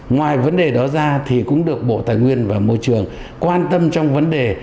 ngoài vấn đề đó ra thì cũng được bộ tài nguyên và môi trường quan tâm trong vấn đề